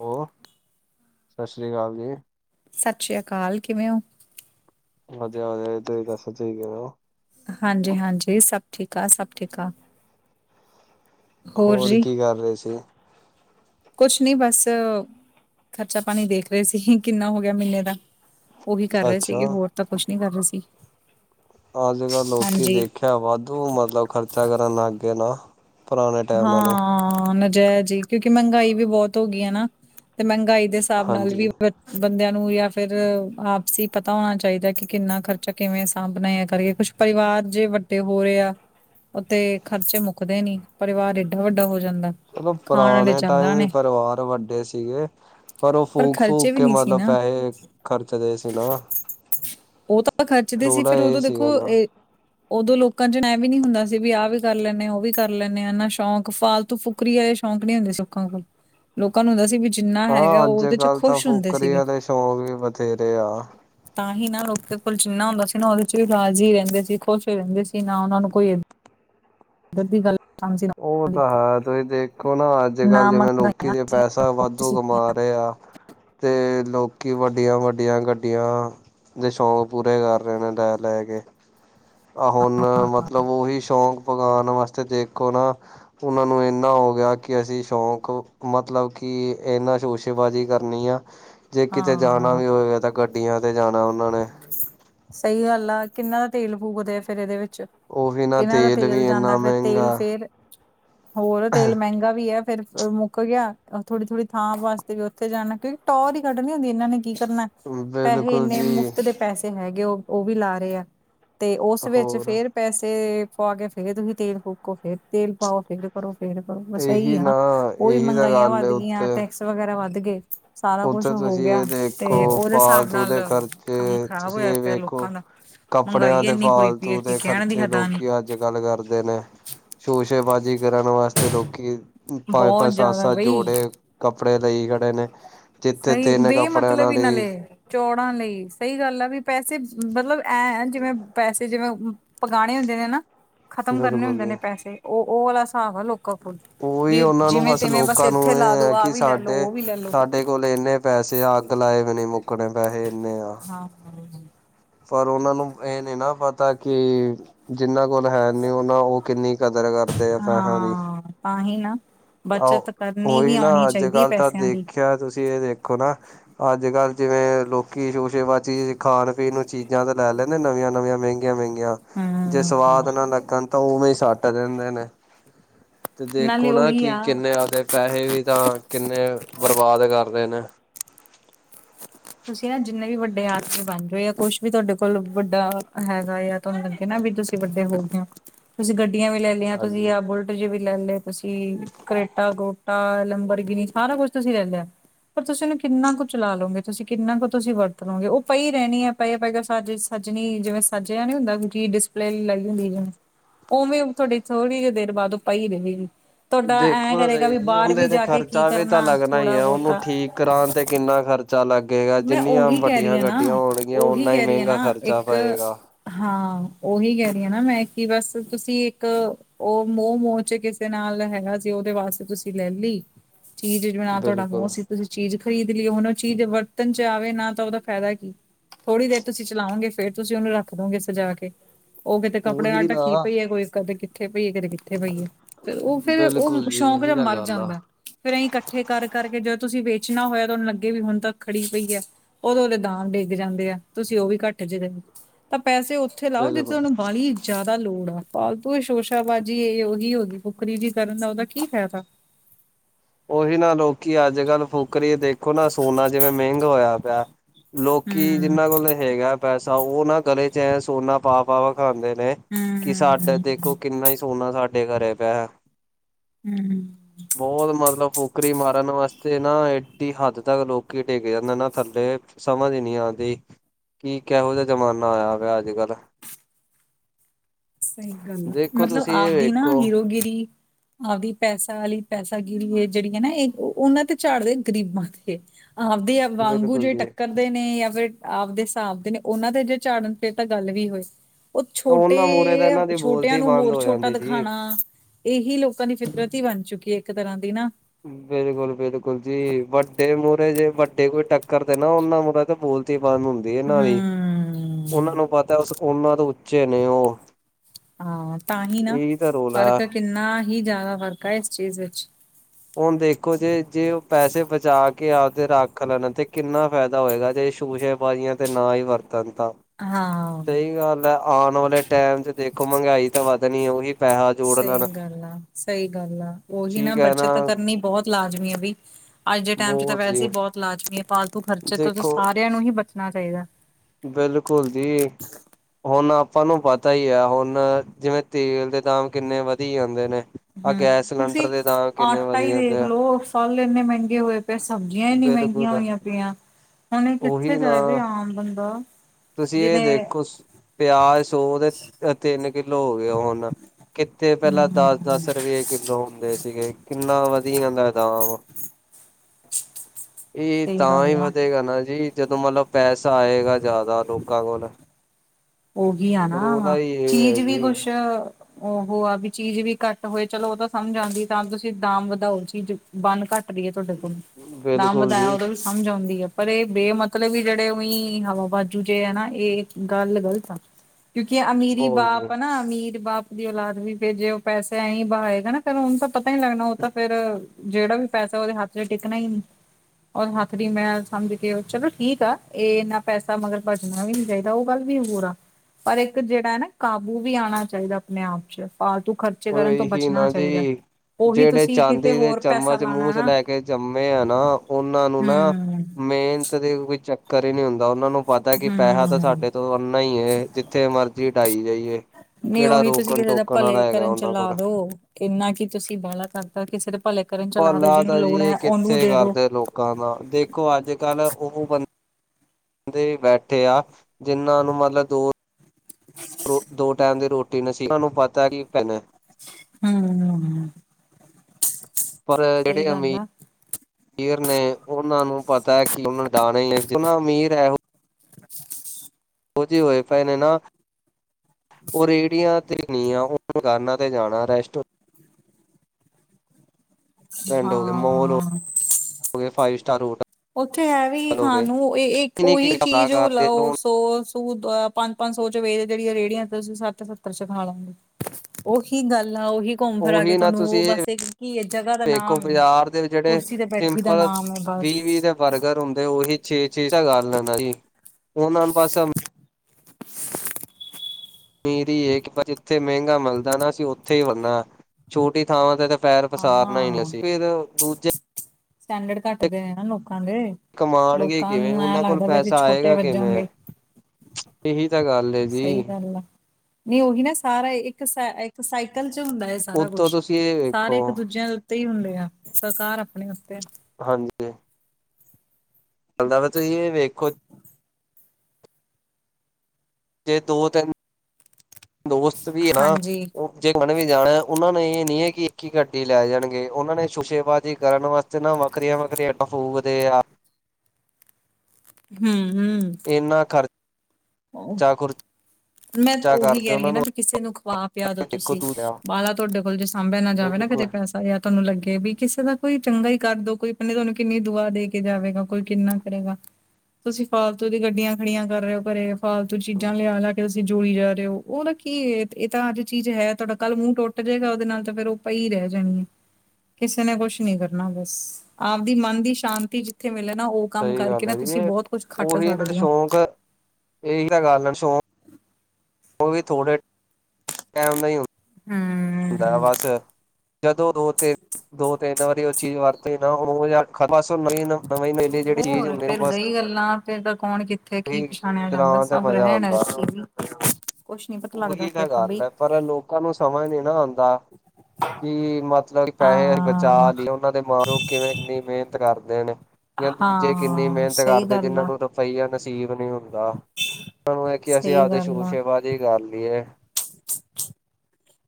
ਹੋ। ਸਤਿ ਸ਼੍ਰੀ ਅਕਾਲ ਜੀ। ਸਤਿ ਸ੍ਰੀ ਅਕਾਲ। ਕਿਵੇਂ ਓ ਵਧੀਆ, ਵਧੀਆ ਤੁਸੀਂ ਦੱਸੋ ਠੀਕ ਓ ਹਾਂਜੀ, ਹਾਂਜੀ ਸਭ ਠੀਕ ਆ। ਸਭ ਠੀਕ ਆ। ਹੋਰ, ਕੀ ਕਰ ਰਹੇ ਸੀ? ਕੁਛ ਨੀ ਬੱਸ ਖ਼ਰਚਾ ਪਾਣੀ ਦੇਖ ਰਹੇ ਸੀ। ਕਿੰਨਾ ਹੋ ਗਿਆ ਮਹੀਨੇ ਦਾ। ਉਹੀ ਕਰ ਰਹੇ ਅੱਛਾ ਸੀਗੇ। ਹੋਰ ਤਾਂ ਕੁਛ ਨੀ ਕਰ ਰਹੇ ਸੀ। ਅੱਜ ਕੱਲ੍ਹ ਲੋਕੀ ਹਾਂਜੀ ਦੇਖਿਆ ਵਾਧੂ, ਮਤਲਬ ਖਰਚਾ ਕਰਨ ਲਾਗੇ ਨਾ। ਪੁਰਾਣੇ ਟਾਈਮ ਨਾਲੋਂ ਹਾਂ [unintelligible] ਜੈ ਜੀ ਕਿਉਂਕਿ ਮਹਿੰਗਾਈ ਵੀ ਬਹੁਤ ਹੋ ਗਈ ਆ ਨਾ। ਤੇ ਮਹਿੰਗਾਈ ਦੇ ਹਿਸਾਬ ਨਾਲ ਹਾਂਜੀ ਵੀ। ਬੰਦਿਆਂ ਨੂੰ ਜਾਂ ਫਿਰ ਆਪਸੀ ਪਤਾ ਹੋਣਾ ਚਾਹੀਦਾ, ਕਿ ਕਿੰਨਾ ਖਰਚਾ ਕਿਵੇਂ ਸਾਂਭਣਾ ਯਾ ਕਰੀਏ ਕੁੱਛ। ਪਰਿਵਾਰ ਜੇ ਵੱਡੇ ਹੋ ਰਹੇ ਆ। ਉਹ ਤੇ ਖਰਚੇ ਮੁੱਕਦੇ ਨੀ ਪਰਿਵਾਰ ਏਡਾ ਵੱਡਾ ਹੋ ਜਾਂਦਾ। ਚੱਲੋ, ਖਾਣ ਵਾਲੇ ਪੁਰਾਣੇ ਜ਼ਿਆਦਾ ਟਾਈਮ ਵੀ ਨੇ ਪਰਿਵਾਰ ਵੱਡੇ ਸੀਗੇ। ਪਰ ਉਹ ਫੂਕ, ਖਰਚੇ ਫੂਕ ਵੀ ਕੇ ਨਹੀਂ ਸੀ ਮਤਲਬ ਨਾ ਪੈਹੇ। ਖਰਚਦੇ ਸੀ ਨਾ। ਉਹ ਤਾਂ ਖਰਚਦੇ ਸੀ। ਰੌਲਾ ਫਿਰ ਇਹ ਉਦੋਂ ਸੀਗਾ ਦੇਖੋ ਨਾ ਇਹ ਉਦੋਂ ਲੋਕਾਂ ਚ ਐਂਵੀ ਨੀ ਹੁੰਦਾ ਸੀ। ਵੀ ਆਹ ਵੀ ਕਰ ਲੈੇਣੇ ਆ। ਉਹ ਵੀ ਕਰ ਲੈ। ਨਾ ਇਹਨਾਂ ਸ਼ੌਕ, ਫਾਲਤੂ ਫੁਕਰੀ ਆਲੇ ਸ਼ੌਕ ਨੀ ਹੁੰਦੇ ਸੀ, ਲੋਕਾਂ ਕੋਲ। ਲੋਕਾਂ ਨੂੰ ਹੁੰਦਾ ਸੀ ਵੀ ਜਿੰਨਾ ਹੈਗਾ, ਹਾਂ ਉਹ ਅੱਜ ਓਦੇ ਚ ਕੱਲ੍ਹ ਤਾਂ ਖ਼ੁਸ਼ ਹੁੰਦੇ ਫੁਕਰੀ ਸੀਗੇ। ਵਾਲੇ ਸ਼ੌਂਕ ਵੀ ਬਥੇਰੇ ਆ ਤਾਂ ਹੀ ਨਾ ਲੋਕਾਂ ਕੋਲ ਜਿੰਨਾ ਹੁੰਦਾ ਸੀ ਨਾ ਓਦੇ ਚ ਵੀ ਰਾਜ਼ੀ ਰਹਿੰਦੇ ਸੀ, ਖੁਸ਼ ਰਹਿੰਦੇ ਸੀ ਨਾ ਉਹਨਾਂ ਨੂੰ ਕੋਈ ਇੱਧਰ ਦੀ ਗੱਲ ਸਮਝ ਨਾ ਉਹ ਆਉਂਦੀ ਤਾਂ ਹੈ ਤੁਸੀਂ ਦੇਖੋ ਨਾ ਅੱਜ -ਕੱਲ ਨਾ ਜਿਵੇਂ ਲੋਕੀ ਮੰਗਾਈਆਂ ਦੇ ਸੀ ਨਾ ਪੈਸਾ ਕੁਛ ਵਾਧੂ ਕਮਾ ਸੀਗੀਆਂ। ਰਹੇ ਆ ਤੇ ਲੋਕੀ ਵੱਡੀਆਂ -ਵੱਡੀਆਂ ਗੱਡੀਆਂ ਦੇ ਸ਼ੌਂਕ ਪੂਰੇ ਕਰ ਰਹੇ ਨੇ ਲੈ- ਲੈ ਕੇ। ਆ ਹੁਨ ਮਤਲਬ ਉਹੀ ਸ਼ੌਕ ਪਕਾਣ ਵਾਸਤੇ ਦੇਖੋ ਨਾ ਓਨਾਂ ਨੂੰ ਇਨਾ ਹੋ ਗਿਆ ਕਿ ਅਸੀਂ ਸ਼ੌਕ, ਮਤਲਬ ਕਿ ਏਨਾ ਸ਼ੋਸ਼ੇਬਾਜ਼ੀ ਕਰਨੀ ਆ ਜੇ ਕਿਤੇ ਜਾਣਾ ਹਾਂ ਵੀ ਹੋਵੇਗਾ ਤਾਂ ਗੱਡੀਆਂ ਤੇ ਜਾਣਾ ਉਹਨਾਂ ਨੇ। ਸਹੀ ਗੱਲ ਆ ਕਿੰਨਾ ਤਾਂ ਤੇਲ ਫੂਕਦੇ ਆ ਫਿਰ ਏਦੇ ਵਿੱਚ। ਉਹ ਵੀ ਨਾ ਏਨਾਂ ਦਾ ਤੇਲ ਵੀ ਜਾਂਦਾ ਇੰਨਾ ਫਿਰ ਤੇਲ ਮਹਿੰਗਾ ਫੇਰ, ਹੋਰ ਤੇਲ ਮਹਿੰਗਾ ਵੀ ਐ ਫਿਰ ਮੁੱਕ ਗਿਆ ਅ ਥੋੜੀ -ਥੋੜ੍ਹੀ ਥਾਂ ਵਾਸਤੇ ਵੀ ਉੱਥੇ ਜਾਣਾ, ਕਿਉਂਕਿ ਟੋਰ ਹੀ ਕੱਢਣੀ ਹੁੰਦੀ ਏਨਾਂ ਨੇ ਕੀ ਕਰਨਾ। ਪੈਹੈ ਬਿਲਕੁਲ ਇੰਨੇ ਜੀ ਮੁਫ਼ਤ ਦੇ ਪੈਸੇ ਹੈਗੇ, ਓ ਉਹ ਵੀ ਲਾ ਰਹੇ ਆ ਤੇ ਉਸ ਵਿੱਚ ਹੋਰ ਫੇਰ- ਪੈਸੇ ਪਾ ਕੇ ਫ਼ੇਰ ਤੁਸੀਂ ਤੇਲ ਫੂਕੋ, ਫੇਰ ਤੇਲ ਪਾਓ ਫੇਰ ਕਰੋ ਫੇਰ ਕਰੋ ਬਸ ਇਹੀ ਨਾ ਆ, ਉਹੀ ਇਹੀ ਤਾਂ ਮਹਗਾਈਆਂ ਗੱਲ ਵੱਧ ਗਈਆਂ ਉੱਤੇ ਟੈਕਸ ਵਗੈਰਾ ਵੱਧ ਗਏ, ਸਾਰਾ ਕੁੱਛ ਉੱਥੇ ਤੁਸੀਂ ਇਹ ਦੇਖੋ ਫਾਲਤੂ ਦੇ ਨਾਲ ਕੰਮ ਖਰਚੇ, ਖ਼ਰਾਬ ਤੁਸੀਂ ਹੋਇਆ ਇਹ ਪਿਆ ਲੋਕਾਂ ਵੇਖੋ ਦਾ ਮਹਿੰਗਾਈ ਕੱਪੜਿਆਂ ਦੇ ਇੰਨੀ ਹੋਈ ਪਈ ਹੈ ਫਾਲਤੂ ਕਿ ਦੇ ਕਹਿਣ ਦੀ ਖਰਚੇ ਹੱਦਾਂ ਨੀ ਲੋਕੀ ਅੱਜ- ਕੱਲ ਕਰਦੇ ਨੇ, ਸ਼ੋਸ਼ੇਬਾਜ਼ੀ ਕਰਨ ਵਾਸਤੇ ਲੋਕੀ ਪੰਜ ਬਹੁਤ -ਪੰਜ, ਸੱਤ- ਜ਼ਿਆਦਾ ਸੱਤ ਬਈ ਜੋੜੇ ਕੱਪੜੇ ਲਈ ਖੜੇ ਨੇ। ਜਿੱਥੇ ਸਹੀ, ਤਿੰਨ ਬੇ ਕੱਪੜਿਆਂ ਮਤਲਬ ਹੀ ਨਾਲ ਨਾ ਲਏ। ਚੌੜਾਂ ਲਈ, ਸਹੀ ਗੱਲ ਆ ਵੀ ਪੈਸੇ, ਮਤਲਬ ਐਂ ਜਿਵੇਂ ਪੈਸੇ ਜਿਵੇਂ ਪਗਾਣੇ ਹੁੰਦੇ ਨੇ ਨਾ, ਖ਼ਤਮ ਕਰਨੇ ਬਿਲਕੁਲ ਹੁੰਦੇ ਜੀ। ਨੇ ਪੈਸੇ, ਓ - ਓ ਵਾਲਾ ਹਿਸਾਬ ਆ ਲੋਕਾਂ ਕੋਲ। ਉ ਵੀ ਓਨਾਂ ਨੂੰ ਜਿਵੇਂ ਬਸ ਤਿਵੇਂ ਲੋਕਾਂ ਨੂੰ ਇੱਥੇ ਐ ਲਾ ਦੋ ਹੈ ਆਹ ਕਿ ਵੀ ਲੈ ਲੋ ਸਾਡੇ- ਉਹ ਵੀ ਲੈ ਲੋ ਸਾਡੇ ਕੋਲ ਇੰਨੇ ਪੈਸੇ ਆ, ਅੱਗ ਲਾਏ ਵੀ ਨੀ ਮੁੱਕਣੇ ਪੈਹੈ ਇੰਨੇ ਆ। ਹਾਂ- ਹਾਂ ਹਮ ਪਰ ਓਨਾਂ ਨੂੰ ਏ ਨੀ ਨਾ ਪਤ ਪਤਾ ਕਿ ਜਿਨ੍ਹਾਂ ਕੋਲ ਹੈ ਨੀ ਉਹਨਾਂ ਉਹ ਕਿੰਨੀ ਕਦਰ ਕਰਦੇ ਆ ਪੈਹਿਆ ਦੀ। ਤਾਂਹੀ ਨਾ। ਆਹੋ ਬੱਚਤ ਕਰਨੀ ਵੀ ਉਹੀ ਨਾ ਆਉਣੀ ਅੱਜ- ਚਾਹੀਦੀ ਹੈ ਕੱਲ੍ਹ ਤਾਂ ਪੈਸਿਆਂ ਦੀ ਦੇਖਿਆ ਤੁਸੀਂ ਇਹ ਦੇਖ ਦੇਖੋ ਨਾ ਅੱਜ -ਕੱਲ੍ਹ ਜਿਵੇਂ ਲੋਕੀ ਸ਼ੋਸ਼ੇਬਾਜ਼ੀ ਚ ਖਾਣ- ਪੀਣ ਨੂੰ ਚੀਜ਼ਾਂ ਤੇ ਲੈ ਲੈਂਦੇ ਨਵੀਆਂ- ਨਵੀਆਂ, ਮਹਿੰਗੀਆਂ- ਮਹਿੰਗੀਆਂ ਜੇ ਹਮ ਸਵਾਦ ਨਾ ਲੱਗਣ ਤਾਂ ਉਵੇਂ ਸੱਟ ਦਿੰਦੇ ਨੇ, ਤੇ ਨਾਲੇ ਦੇਖੋ ਨਾ ਉਹੀ ਕੀ ਆ ਆਵਦੇ ਪੈਹੈ ਵੀ ਤਾਂ ਕਿੰਨੇ ਬਰਬਾਦ ਕਰਦੇ ਨੇ। ਤੁਸੀਂ ਨਾ ਜਿੰਨੇ ਵੀ ਵੱਡੇ ਆਰਟਸ ਬਣ ਜੌ, ਜਾਂ ਕੁਛ ਵੀ ਤੁਹਾਡੇ ਕੋਲ ਵੱਡਾ ਹੈ ਤੁਹਾਨੂੰ ਲੱਗਿਆ ਨਾ ਵੀ ਤੁਸੀਂ ਵੱਡੇ ਹੋ ਗਏ ਓ, ਤੁਸੀਂ ਗੱਡੀਆਂ ਵੀ ਲੈ ਲਈਆਂ, ਤੁਸੀਂ ਹਾਂਜੀ ਐ ਬੁਲਟ ਵੀ ਲੈ ਲਿਆ, ਤੁਸੀਂ ਕਰੇਟਾ ਕਰੁਟਾ, ਲੈਬਰ ਗਿਨੀ, ਸਾਰਾ ਕੁਝ ਤੁਸੀਂ ਲੈ ਲਿਆ। ਪਰ ਤੁਸੀਂ ਏਨੂੰ ਕਿੰਨਾ ਕੁ ਚਲਾ ਲੋਂਗੇ? ਤੁਸੀਂ ਕਿੰਨਾ ਕੁ ਤੁਸੀਂ ਵਰਤ ਲੌਂਗੇ, ਉਹ ਪਈ ਰਹਿਣੀ ਆ ਪਏ- ਪਏ ਸੱਜ ਸੱਜਣੀ ਜਿਵੇਂ ਸੱਜਿਆ ਨੀ ਹੁੰਦਾ ਚੀਜ਼ ਡੀਸ ਪਲੇਅ ਲਾਈ ਹੁੰਦੀ ਜਿਵੇਂ, ਉਵੇਂ ਤੁਹਾਡੀ ਥੋੜ੍ਹੀ ਜਿਹੀ ਦੇਰ ਬਾਅਦ ਉਹ ਪਈ ਰਹੇਗੀ। ਤੁਹਾਡਾ ਐਂ ਦੇਖੋ ਤਾਂ ਕਰੇਗਾ ਸਹੀ ਵੀ ਜੀ, ਬਾਹਰ ਉਹਦੇ ਵੀ ਤੇ ਜਾ ਕੇ ਕੀ ਖਰਚਾ ਵੀ ਤਾਂ ਕਰਨਾ ਲੱਗਣਾ ਈ ਥੋੜਾ ਆ ਉਹਨੂੰ ਬਹੁਤਾ ਠੀਕ ਕਰਾਣ ਤੇ ਕਿੰਨਾ ਖਰ ਚਾ ਲੱਗੇਗਾ, ਮੈਂ ਜਿੰਨੀਆਂ ਉਹੀ ਕਹਿ ਰਹੀ ਵੱਡੀਆਂ ਹਾਂ ਨਾ ਗੱਡੀਆਂ ਹੋਣਗੀਆਂ, ਉਹੀ ਓਨਾ ਹੀ ਕਹਿ ਰਹੀ ਹਾਂ ਮਹਿੰਗਾ ਨਾ ਖਰਚਾ ਇੱਕ ਪਏਗਾ। ਹਾਂ, ਉਹੀ ਕਹਿ ਰਹੀ ਨਾ ਮੈਂ ਕਿ ਬਸ ਤੁਸੀਂ ਇੱਕ ਉਹ ਮੋਹ- ਮੋਹ ਚ ਕਿਸੇ ਨਾਲ ਹੈਗਾ ਸੀ, ਉਹਦੇ ਵਾਸਤੇ ਤੁਸੀਂ ਲੈ ਲੀ। ਚੀਜ਼ ਜਿਵੇ ਆਮ ਤੁਹਾਡਾ ਮੋਹ ਬਿਲਕੁਲ ਸੀ, ਤੁਸੀਂ ਚੀਜ਼ ਖਰੀਦ ਲੀ, ਹੁਣ ਉਹ ਚੀਜ਼ ਵਰਤ ਤਨਚਾਵੇ ਨਾ ਤਾਂ ਉਹਦਾ ਫੈਦਾ ਕੀ। ਥੋੜ੍ਹੀ ਦੇਰ ਤੁਸੀਂ ਚਲਾਓਂਗੇ ਫੇਰ ਤੁਸੀਂ ਓਹਨੂੰ ਰੱਖ ਦੋਗੇ ਸਜਾ ਕੇ। ਉਹ ਕਿਤੇ ਕੱਪੜਿਆਂ ਨਾਲ ਉਹੀ ਨਾ ਢੱਕੀ ਪਈਏ ਕੋਈ ਕਦੇ ਕਿੱਥੇ ਪਈਏ ਕਦੇ ਕਿੱਥੇ ਥੇ ਪਈਏ। ਫੇਰ ਓਹ ਫੇਰ ਓਹ ਬਿਲਕੁਲ ਜੀ ਸ਼ੌਂਕ ਇਹੀ ਜਾਂ ਤਾਂ ਮਰ ਗੱਲ ਆ ਜਾਂਦੈ। ਫਿਰ ਐਂਈ ਇਕੱਠੇ ਕਰ-ਕਰਕੇ ਜਦੋਂ ਤੁਸੀਂ ਵੇਚਣਾ ਹੋਇਆ ਤਾਂ ਓਹਨੂੰ ਅੱਗੇ ਵੀ ਹੁਣ ਤੱਕ ਖੜੀ ਪਈ ਐ ਓਦੋਂ ਓਹਦੇ ਦਾਮ ਡਿੱਗ ਜਾਂਦੇ ਐ ਤੁਸੀਂ ਓਹ ਵੀ ਘੱਟੇ ਚ ਜਾਣੇ, ਤਾਂ ਪੈਸੇ ਓਸ ਓੱਥੇ ਲਾਓ ਜਿੱਥੇ ਬਿਲਕੁਲ ਤੁਹਾਨੂੰ ਬਾਲੀ ਜਿਆਦਾ ਲੋੜ ਆ, ਫਾਲਤੂ ਦੀ ਸ਼ੋਸ਼ਾਬਾਜ਼ੀ ਏਹ ਹੋਗੀ ਓਹ ਹੋਗੀ, ਫੁਕਰੀ ਜੀ ਕਰਨ ਦਾ ਉਹਦਾ ਕੀ ਫੈਦਾ। ਓਹੀ ਨਾ, ਲੋਕੀ ਅੱਜ-ਕੱਲ ਫੁਕਰੀ ਦੇਖੋ ਨਾ ਸੋਨਾ ਜਿਵੇਂ ਮਹਿੰਗਾ ਹੋਇਆ ਪਿਆ ਲੋਕੀ ਹਮ ਜਿੰਨਾਂ ਕੋਲ ਤਾ ਹੈਗਾ ਪੈਸਾ ਓਹ ਨਾ ਗਲੇ ਚ ਐ ਸੋਨਾ ਪਾ-ਪਾ ਵਖਾਂਦੇ ਨੇ। ਕਿ ਸਾਡਾ ਹਮ ਦੇਖੋ ਕਿੰਨਾ ਈ ਸੋਨਾ ਸਾਡੇ ਘਰੇ ਪਿਆ ਐ। ਹੰ-ਹੰ ਬਹੋਤ ਮਨ ਲੋਕ ਫੁਕਰੀ ਮਾਰਨ ਵਾਸਤੇ ਨਾ ਏਡੀ ਹੱਦ ਤੱਕ ਲੋਕੀ ਡਿੱਗ ਜਾਂਦੇ ਨਾ, ਥੱਲੇ ਸਮਜ ਈ ਨਈ ਆਂਦੀ ਕਿ ਕੈਹੋ ਜਿਆ ਜਮਾਨਾ ਆਇਆ ਪਿਆ ਅੱਜ-ਕੱਲ। ਸਈ ਗੱਲ ਆ ਦੇਖੋ ਮਤਲਬ ਤੁਸੀਂ ਇਹ ਆਵਦੀ ਵੇਖੋ ਨਾ ਹੀਰੋਗਿਰੀ ਆਪਦੀ ਪੈਸਾ ਵਾਲੀ ਪੈਸਾਗਿਰੀ ਏ ਜੇਹੜੀ ਏ ਨਾ ਏਹ ਓਹਨਾਂ ਤੇ ਝਾੜਦੇ ਨ ਗ਼ਰੀਬਾਂ ਤੇ। ਆਪ ਦੀਏ ਵਾਂਗੂ ਬਿਲਕੁਲ ਜੇ ਜੀ ਟੱਕਰ ਦੇ ਨੇ ਜਾਂ ਫੇਰ ਆਪਦੇ ਹਿਸਾਬ ਦੇ ਨੇ ਓਹਨਾਂ ਦੇ ਜੇ ਝਾੜਨ ਫੇਰ ਤਾਂ ਗੱਲ ਵੀ ਹੋਏ ਓਹ ਛੋਟੇ ਉਹਨਾਂ ਮੂਹਰੇ ਤਾਂ ਇਹਨਾਂ ਦੀ ਛੋਟਿਆਂ ਬੋਲਤੀ ਨੂੰ ਬੰਦ ਹੋਰ ਹੋ ਛੋਟਾ ਜਾਂਦੀ ਜੀ ਦਿਖਾਣਾ ਏਹੀ ਲੋਕਾਂ ਦੀ ਫਿਦਰਤ ਹੀ ਬਣ ਚੁੱਕੀ ਐ ਇੱਕ ਤਰ੍ਹਾਂ ਦੀ ਨਾ। ਬਿਲਕੁਲ-ਬਿਲਕੁਲ ਜੀ, ਵੱਡੇ ਮੂਹਰੇ ਜੇ ਵੱਡੇ ਕੋਈ ਟੱਕਰ ਦੇ ਨਾ ਓਹਨਾਂ ਮੂਹਰੇ ਤੇ ਬੋਲਤੀ ਬੰਦ ਹੁੰਦ ਦੀ ਓਹਨਾਂ ਦੀ ਓਹਨਾਂ ਹਮ ਨੂੰ ਪਤੈ ਉਸ ਓਹਨਾਂ ਤੋਂ ਉੱਚੇ ਨੇ ਓਹ। ਹਾਂ ਤਾਂ ਹੀ ਨਾ ਹੈ ਫਰਕ ਕਿੰਨਾ ਹੀ ਜਿਆਦਾ ਫ਼ਰਕ ਐ ਇਸ ਚੀਜ ਵਿੱਚ। ਹੁਨ ਦੇਖੋ ਜੇ ਜੇ ਓਹ ਪੈਸੇ ਬਚਾ ਕੇ ਆਪਦੇ ਰੱਖ ਲੈਨ ਤੇ ਕਿੰਨਾ ਫੈਦਾ ਹੋਏਗਾ ਜੇ ਸ਼ੂਸ਼ ਬਾਜ਼ੀਆਂ ਤੇ ਨਾ ਈ ਵਰਤਨ ਤਾਂ ਹਾਂ ਸਈ ਗੱਲ ਐ ਆਨ ਵਾਲੇ ਟੈਮ ਚ ਦੇਖੋ ਮਹਿੰਗਾਈ ਤਾਂ ਵੱਧਣੀ ਓਹੀ ਸਈ ਗੱਲ ਆ, ਸਈ ਗੱਲ ਆ, ਓਹੀ ਨਾ ਠੀਕ ਹੈ ਬਚਤ ਤਾਂ ਕਰਨੀ ਬਹੋਤ ਲਾਜ਼ਮੀ ਆ ਬਈ। ਅੱਜ ਦੇ ਟੈਮ ਚ ਤੇ ਬਹੁਤ ਵੈਸੇ ਈ ਜੀ ਬਹੁਤ ਲਾਜਮੀ ਐ ਫਾਲਤ ਤੂ ਖਰਚੇ ਤੋਂ ਤੇ ਦੇਖੋ ਸਾਰਿਆਂ ਨੂੰ ਹੀ ਬਚਨਾ ਚਾਹੀਦੈ। ਬਿਲਕੁਲ ਜੀ। ਹੁਨ ਆਪਾਂ ਨੂੰ ਪਤਾ ਈ ਐ ਹੁਨ ਜਿਵੇਂ ਤੇਲ ਦੇ ਦਾਮ ਕਿੰਨੇ ਵਦੀ ਜਾਂਦੇ ਨੇ। ਆਹ ਹੂੰ, ਗੈਸ ਸਿਲੰਡਰ ਦੇ ਦਾਮ ਕਿੰਨੇ ਵਦੀ ਜਾਂਦੇ ਆ। ਫੱਲ ਇੰਨੇ ਮਹਿੰਗੇ ਹੋਏ ਪਏ ਸਬਜੀਆਂ ਇੰਨੀ ਮਹਿੰਗੀਆਂ ਬਿਲਕੁਲ ਹੋਈਆਂ ਪਈਆਂ। ਹੁਨ ਏ ਕਿੱਥੇ ਉਹੀ ਜਾਏ ਵੀ ਨਾ ਆਮ ਬੰਦਾ, ਤੁਸੀਂ ਇਹ ਜਿਨੇ ਦੇਖੋ ਪਿਆਜ ਸੌ ਦੇ ਤਿੰਨ ਕਿੱਲੋ ਹੋ ਗਏ ਹੁਨ ਕਿੱਥੇ ਪਹਿਲਾਂ ਹੂੰ, ਦਸ-ਦਸ ਰੁਪਏ ਕਿੱਲੋ ਹੁੰਦੇ ਸੀਗੇ। ਕਿੰਨਾ ਵਦੀ ਜਾਂਦੈ ਦਾਮ। ਏ ਸਹੀ ਤਾਂ ਈ ਗੱਲ ਆ। ਵਧੇਗਾ ਨਾ ਜੀ ਜਦੋਂ ਮਲਬ ਪੈਸਾ ਆਏਗਾ ਜਾਦਾ ਲੋਕਾਂ ਕੋਲ। ਉਹੀ ਆ ਨਾ ਰੌਲਾ ਅ ਹੀ ਇਹ ਹੈ ਚੀਜ ਵੀ ਜੀ ਕੁਛ ਉਹੋ ਆ ਵੀ ਚੀਜ਼ ਵੀ ਘੱਟ ਹੋਏ ਚਲੋ ਓਹ ਤਾਂ ਸਮਝ ਆਂਦੀ ਤਾਂ ਤੁਸੀਂ ਦਾਮ ਵਧਾਓ ਚੀਜ਼ ਬੰਨ ਘੱਟ ਰਹੀ ਏ ਤੁਹਾਡੇ ਕੋਲ, ਦਾਮ ਬਿਲਕੁਲ ਵਧਾਇਆ ਜੀ ਉਦੋਂ ਵੀ ਸਮਝ ਔਂਦੀ ਐ ਪਰ ਏਹ ਬੇਮਤਲਬ ਈ ਜੇਹੜੇ ਉਂਈ ਹਵਾ ਬਾਜੂ ਜੇ ਹੈ ਨਾ ਏਹ ਗੱਲ ਗਲਤ ਕਿਉਂਕਿ ਅਮੀਰੀ ਬਹੁਤ ਜੀ ਬਾਪ ਐ ਨਾ ਅਮੀਰ ਬਾਪ ਦੀ ਔਲਾਦ ਵੀ ਭੇਜੇ ਓਹ ਪੈਸੇ ਐਂਈ ਬਹਾਏਗਾ ਨਾ ਫੇਰ ਓਨ ਤਾਂ ਪਤਾ ਈ ਨਈ ਲੱਗਨਾ, ਓਹ ਤਾਂ ਫੇਰ ਜਿਹੜਾ ਵੀ ਪੈਸਾ ਉਹਦੇ ਹੱਥ ਚ ਟਿੱਕਣਾ ਹੀ ਨਹੀਂ ਔਰ ਹੱਥ ਦੀ ਮੈਲ ਸਮਝ ਕੇ ਚਲੋ ਠੀਕ ਆ ਇਹ ਇੰਨਾ ਪੈਸਾ ਮਗਰ ਭੱਜ ਭੱਜਣਾ ਵੀ ਨੀ ਚਾਹੀਦਾ ਉਹ ਗੱਲ ਵੀ ਹੋਰ ਆਂ ਪਰ ਇੱਕ ਜਿਹੜਾ ਹੈ ਨਾ ਕਾਬੂ ਵੀ ਆਉਣਾ ਚਾਹੀਦਾ ਆਪਣੇ ਆਪ ਚ ਫਾਲਤੂ ਖਰਚ ਉਹ ਇਹੀ ਨਾ ਜੀ। ਜਿਹੜੇ ਤੁਸੀਂ ਕਿਤੇ ਚਾਂਦੀ ਦੇ ਹੋਰ ਪੈਸਾ ਚਮਚ ਮੂੰਹ ਲਾਣਾ ਚ ਨਾ ਲੈ ਕੇ ਜੰਮੇ ਆ ਨਾ ਉਹਨਾਂ ਨੂੰ ਨਾ ਹਮ ਮੇਨ ਕਦੇ ਕੋਈ ਚੱਕਰ ਹੀ ਨਹੀ ਹੁੰਦਾ ਉਹਨਾਂ ਨੂੰ ਪਤਾ ਕਿ ਪੈਸਾ ਤਾਂ ਹਮ ਸਾਡੇ ਤੋਂ ਇੰਨਾ ਹੀ ਹੈ ਜਿੱਥੇ ਮਰਜ਼ੀ ਉਡਾਈ ਜਾਈਏ ਕਿਹੜਾ ਰੋਕਣ ਟੋਕਣ ਵਾਲਾ ਹੈਗਾ ਓ ਤੇ ਲਾ ਦੋ ਇੰਨਾ ਕਿ ਤੁਸੀਂ ਬਾਹਲਾ ਕਰਤਾ ਕਿਸੇ ਦੇ ਭਲੇ ਕਰਨ ਚਲਾ ਦੋ ਭਲਾ ਜਿਹਨੂੰ ਤਾਂ ਜੀ ਲੋੜ ਇਹ ਹੈ ਉਹਨੂੰ ਕਿੱਥੇ ਦੇ ਦੋ ਕਰਦੇ ਲੋਕਾਂ ਦਾ ਦੇਖੋ ਅੱਜ ਕਲ ਉਹ ਬੰ ਦੇ ਬੈਠੇ ਆ ਜਿਹਨਾਂ ਨੂੰ ਮਤਲਬ ਦੋ ਰ ਦੋ ਟੈਮ ਦੀ ਰੋਟੀ ਦੀ ਨਸੀਬ ਉਨਾਂ ਨੂੰ ਪਤਾ ਕੀ ਪੈਨਾ ਹੂੰ ਹੂੰ ਹੂੰ ਪਰ ਜਿਹੜੇ ਗੱਲ ਅਮੀਰ ਆ ਅਰ ਨੇ ਉਹਨਾਂ ਨੂੰ ਪਤਾ ਕਿ ਉਹ ਦਾਣੇ ਲੈਤੇ ਉਹ ਅਮੀਰ ਇਹ ਉਹ ਜੀ ਹੋਏ ਪਏ ਨੇ ਨਾ ਉਹ ਰੇਹੜੀਆਂ ਤੇ ਨੀ ਆ ਦੁਕਾਨਾਂ ਤੇ ਜਾਣਾ ਰੈਸਟ ਪਿੰਡ ਹੋ ਗਏ ਮੋਲ ਹੋ ਹਾਂ ਗਏ ਫਾਈਵ ਸਟਾਰ ਹੋਟਲ ਉੱਥੇ ਹੈ ਵੀ ਹੀ ਹੋ ਗਏ ਖਾਣ ਨੂੰ ਇਹ ਇੱਕ ਕਿੰਨੇ ਕੀ ਉਹੀ ਚੀਜ਼ ਉਹ ਕਲਾਕਾਰਦੇ ਲਓ ਤੋਂ ਸੂ ਪੰਜ ਪੰਜ ਸੌ ਚ ਵੇ ਜਿਹੜੀ ਰੇਹੜੀਆਂ ਤੇ ਤੁਸੀਂ ਸੱਤ ਸੱਤਰ ਚ ਖਾ ਲਵਾਂਗੇ [inaudible] ਉਹੀ ਗੱਲ ਆ ਉਹੀ ਘੁੰਮ ਫਿਰ ਕੇ ਉਹੀ ਨਾ ਤੁਹਾਨੂੰ ਤੁਸੀਂ ਉਹ ਬਸ ਇਹ ਕੀ ਜਗ੍ਹਾ ਦਾ ਵੇਖੋ ਨਾਮ ਬਾਜ਼ਾਰ ਦੇ ਜਿਹੜੇ ਕੁਰਸੀ ਤੇ ਬੈਠੀ ਦਾ ਸਿੰਪਲ ਨਾਮ ਹੈ ਖਾਸ ਵੀਹ ਵੀਹ ਦੇ ਬਰਗਰ ਹੁੰਦੇ ਉਹੀ ਛੇ ਛੇ ਗਾ ਲੈਣਾ ਸੀ। ਉਹਨਾਂ ਨੂੰ ਬਸ ਮੇਰੀ ਇਹ ਕਿ ਜਿੱਥੇ ਮਹਿੰਗਾ ਮਿਲਦਾ ਨਾ ਅਸੀਂ ਉੱਥੇ ਹੀ ਵੜਨਾ ਛੋਟੀ ਥਾਵਾਂ ਤੇ ਪੈਰ ਪਸਾਰਨਾ ਹੀ ਨਹੀਂ ਹਾਂ ਅਸੀਂ ਫੇਰ ਦੂਜੇ ਸਟੈਂਡਰਡ ਘੱਟਦੇ ਆ ਨਾ ਲੋਕਾਂ ਦੇ ਕਮਾਉਣਗੇ ਲੋਕਾਂ ਕਿਵੇਂ ਨੂੰ ਐਂ ਉਹਨਾਂ ਕੋਲ ਲੱਗਦਾ ਵੀ ਅਸੀਂ ਪੈਸਾ ਛੋਟੇ ਆਏਗਾ ਕਿਵੇਂ ਵੱਜਾਂਗੇ ਇਹੀ ਤਾਂ ਗੱਲ ਹੈ ਜੀ ਸਹੀ ਗੱਲ ਆ ਨਹੀਂ ਉਹੀ ਨਾ ਸਾਰਾ ਇੱਕ ਸ ਇੱਕ ਸਾਈਕਲ ਚ ਹੁੰਦਾ ਹੈ ਸਾਰਾ ਉੱਤੋਂ ਕੁਛ ਤੁਸੀਂ ਇਹ ਵੇਖੋ ਸਾਰੇ ਇੱਕ ਦੂਜਿਆਂ ਦੇ ਉੱਤੇ ਹੀ ਹੁੰਦੇ ਆ ਸਰਕਾਰ ਆਪਣੇ ਵਾਸਤੇ ਹਾਂਜੀ ਚੱਲਦਾ ਵਾ ਤੁਸੀਂ ਇਹ ਵੇਖੋ ਜੇ ਦੋ ਤਿੰਨ [inaudible] ਦੋਸਤ ਵੀ ਹਨ ਨਾ ਹਾਂਜੀ ਉਹ ਜੇ ਗੜ ਵੀ ਜਾਣਾ ਉਹਨਾਂ ਨੇ ਇਹ ਨੀ ਹੈ ਕਿ ਇੱਕ ਹੀ ਗੱਡੀ ਲੈ ਜਾਣਗੇ ਉਹਨਾਂ ਨੇ ਸ਼ੋਸ਼ੇਬਾਜ਼ੀ ਕਰਨ ਵਾਸਤੇ ਜਿੰਨਾ ਵੱਖਰੀਆਂ ਵੱਖਰੀਆਂ ਐੱਡਾ ਫੂਕਦੇ ਆ ਹੂੰ ਹੂੰ ਇੰਨਾ ਖਰ ਉਹ ਚਾ ਖੁਰਚਾ ਮੈਂ ਉਹੀ ਕਰਦੇ ਕਹਿ ਰਹੀ ਉਹਨਾਂ ਨਾ ਵੀ ਕਿਸੇ ਨੂੰ ਖਵਾ ਪਿਆ ਦੋ ਦੇਖੋ ਤੁਸੀਂ ਦੂ ਬਾਲਾ ਤੁਹਾਡੇ ਕੋਲੋਂ ਜੇ ਸਾਂਭਿਆ ਨਾ ਜਾਵੇ ਨਾ ਬਿਲਕੁਲ ਕਿਤੇ ਪੈਸਾ ਜਾਂ ਤੁਹਾਨੂੰ ਲੱਗੇ ਵੀ ਕਿਸੇ ਦਾ ਕੋਈ ਚੰਗਾ ਹੀ ਕਰਦੋ ਕੋਈ ਪਨਾ ਤੁਹਾਨੂੰ ਕਿੰਨੀ ਦੁਆ ਦੇ ਕੇ ਜਾਵੇਗਾ ਕੋਈ ਕਿੰਨਾ ਕਰੇਗਾ ਤੁਸੀਂ ਫਾਲਤੂ ਦੀ ਗੱਡੀਆਂ ਖੜੀਆਂ ਕਰ ਰਹੇ ਹੋ ਘਰੇ ਫਾਲਤੂ ਚੀਜ਼ਾਂ ਲਿਆ ਲਿਆ ਤੁਸੀਂ ਜੋੜੀ ਜਾ ਰੇ ਓ ਓਹ ਦਾ ਕੀ ਏ। ਏਹ ਤਾਂ ਅੱਜ ਚੀਜ਼ ਹੈ ਤਾਡਾ ਕੱਲ੍ਹ ਮੂੰਹ ਟੁੱਟ ਜੇਗਾ ਓਹਦੇ ਨਾਲ ਤਾਂ ਫੇਰ ਓਹ ਪਈ ਰੈਹ ਜਾਣੀ ਏ। ਕਿਸੇ ਨੇ ਕੋਛ ਨੀ ਕਰਨਾ ਬਸ। ਆਪਦੀ ਮਨ ਦੀ ਸ਼ਾਂਤੀ ਜਿੱਥੇ ਮਿਲੇ ਨਾ ਓਹ ਕੰਮ ਸਹੀ ਕਰਕੇ ਗੱਲ ਨਾ ਹੈ ਜੀ ਤੁਸੀਂ ਇਹ ਬੌਤ ਕੁਛ ਖੱਟ ਸਕਦੇ ਓ। ਏਹੀ ਤਾਂ ਗੱਲ ਸੌ ਓਹ ਵੀ ਥੋੜ੍ਹੇ ਟੈਮ ਦਾ ਈ ਹੁੰ ਹੁੰਦੈ ਹਮ ਬਸ ਜਦੋਂ ਦੋ ਤੇ ਦੋ ਤੇਨ ਵਾਰੀ ਓਹ ਚੀਜ਼ ਵਰਤ ਲੀ ਨਾ [unintelligible] ਬਸ ਓ ਨਵਾਂ ਨਵਂ ਹੋਰ ਫੇਰ ਗਈ ਗੱਲਾਂ ਫੇਰ ਤਾਂ ਕੌਣ ਕਿੱਥੇ ਕੀ ਉਹੀ ਪਛਾਣਿਆ ਜਾਂਦੈ ਚਲਾਉਣ ਤੇ ਸਭ ਮਜ਼ਾ ਰੈਹਣ ਆਉਂਦਾ ਐਸੇ ਵੀ। ਕੁਛ ਨੀ ਪਤਾ ਲੱਗਦਾ ਉਹੀ ਫੇਰ ਤਾਂ ਬਈ ਗੱਲ ਐ ਪਰ ਐ ਲੋਕ ਕਾਂ ਨੂੰ ਸਮਝ ਨੀ ਨਾ ਆਂਦਾ ਕਿ ਮਤਲਬ ਪੈਹੇ ਬਚਾ ਹਾਂ ਲੀਏ ਓਹਨਾਂ ਦੇ ਮਾਂ-ਪਿਓ ਕਿਵੇਂ ਕਿੰਨੀ ਮੇਨਤ ਕਰਦੇ ਨੇ, ਯਾ ਦੂਜੇ ਕਿੰਨੀ ਹਾਂ ਮੇਨਤ ਸਹੀ ਕਰਦੇ ਗੱਲ ਜਿਨਾਂ ਆ ਨੂੰ ਦ ਫਹੀ ਆ ਨਸੀਬ ਨੀ ਹੁੰਦਾ‌ ਸਾਨੂੰ ਐਹ ਕਿਆ ਸੀਂ ਸਹੀ ਆਪਦੇ ਗੱਲ ਆ ਸ਼ੋਸ਼ੇਬਾਜੀ ਕਰ ਲੀਏ।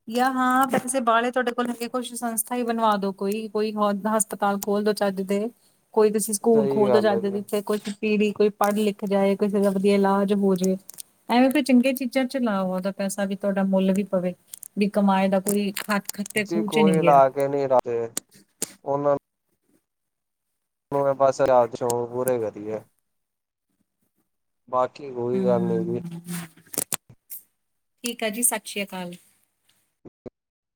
ਯਾ ਹਾਂ, ਪੈਸੇ ਬਾਹਲੇ ਤੁਐਡੇ ਕੋਲ ਹੈਗੇ ਕੁਛ ਸੰਸਥਾ ਹੀ ਬਣਵਾ ਦੋ ਕੋਈ। ਕੋਈ ਹੁ ਹਸ ਪਤਾਲ ਖੋਲਦੋ ਚੱਜ ਦੇ, ਕੋਈ ਤੁਸੀਂ ਸਕੂਲ ਸਹੀ ਖੋਲਦੋ ਗੱਲ ਹੈ ਚੱਜ ਜੀ ਜਿੱਥੇ ਕੋਝ ਪੀੜੀ ਕੋਈ ਪੜ੍ਹ ਲਿਖ ਜਾਏ, ਕਿਸੇ ਦਾ ਵਧੀਆ ਇਲਾਜ ਹੋ ਜੇ। ਐਵੇਂ ਕੋਈ ਚੰਗੀਆਂ ਚੀਜ਼ਾਂ ਚ ਲਾਓ ਓਹਦਾ ਪੈਸਾ, ਵੀ ਤੁਵਾਡਾ ਮੁੱਲ ਵੀ ਪਵੇ। ਬੀ ਕਮਾਏ ਦਾ ਕੋਈ ਖ ਜੀ ਕੋਈ ਲਾਕੇ ਨੀ ਰਾਜੇ, ਓਹਨਾਂ ਨ ਨੂੰ ਏ ਬਸ ਰਾਤ ਰੋਹ ਪੂਰੇ ਕਰੀਏ। ਬਾਕੀ ਗੋ ਹੂੰ, ਠੀਕ ਆ ਜੀ, ਸਤ ਸ੍ਰੀ ਅਕਾਲ। [inaudible]